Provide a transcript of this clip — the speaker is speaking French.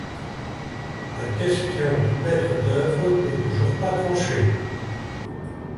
La question du maître d'œuvre n'est toujours pas tranchée.